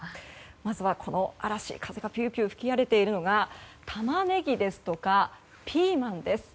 まずは、この嵐風がピューピュー吹き荒れているのがタマネギですとかピーマンです。